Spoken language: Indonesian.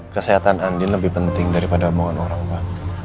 kesehatan andin lebih penting daripada mohon orang pak